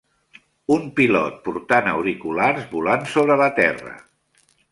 Un pilot portant auriculars volant sobre la terra